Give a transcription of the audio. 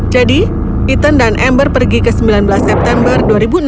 ethan dan amber pergi ke sembilan belas september dua ribu enam belas